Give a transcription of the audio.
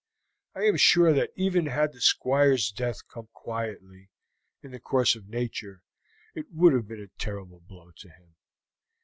"I am sure that even had the Squire's death come quietly, in the course of nature, it would have been a terrible blow to him.